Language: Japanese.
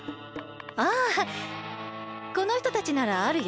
ああこのひとたちならあるよ。